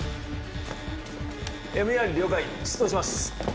ＭＥＲ了解出動します